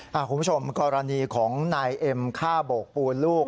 คุณผู้ชมกรณีของนายเอ็มฆ่าโบกปูนลูก